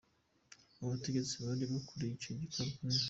Abategetsi bari bakuriye icyo gikorwa ni :